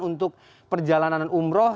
untuk perjalanan umroh